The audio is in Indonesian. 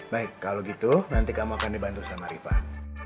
baik kalau gitu nanti kamu akan dibantu sama rifat